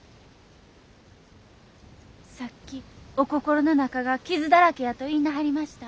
さっきお心の中が傷だらけやと言いなはりました。